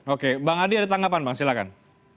oke bang adi ada tanggapan bang silahkan